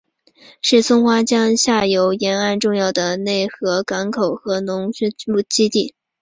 是松花江下游沿岸重要的内河港口和农垦基地。